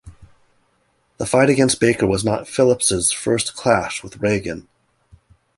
The fight against Baker was not Phillips' first clash with Reagan.